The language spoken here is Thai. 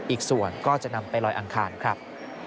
อีกส่วนก็จะนำไปลอยอังคารครับ